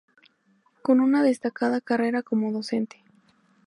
Con una destacada carrera como docente.